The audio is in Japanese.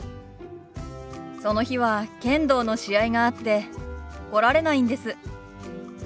その日は剣道の試合があって来られないんです。